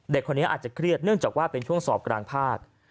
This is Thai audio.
เด็กคนนี้อาจจะเครียดเนื่องจากว่าเป็นช่วงสอบกลางภาค